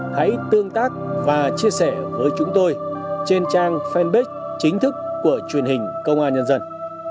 hãy tương tác và chia sẻ với chúng tôi trên trang fanpage chính thức của truyền hình công an nhân dân